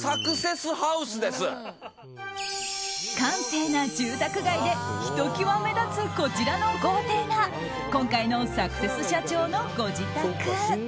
閑静な住宅街でひときわ目立つこちらの豪邸が今回のサクセス社長のご自宅。